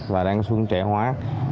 và đang xuống trẻ hóa